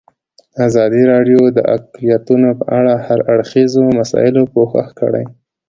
ازادي راډیو د اقلیتونه په اړه د هر اړخیزو مسایلو پوښښ کړی.